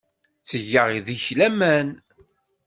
Ttgeɣ deg-k laman.